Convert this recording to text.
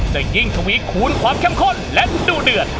จะยิ่งทวีคูณความเข้มข้นและดูเดือด